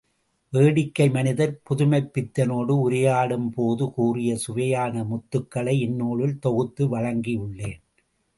வேடிக்கை மனிதர் புதுமைப்பித்தனோடு உரையாடும் போது கூறிய சுவையான முத்துக்களை இந்நூலில் தொகுத்து வழங்கியுள்ளேன்.